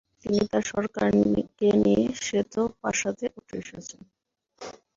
তিনি তার সরকারকে নিয়ে শ্বেত প্রাসাদে উঠে আসেন।